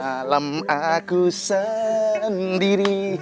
malem malem aku sendiri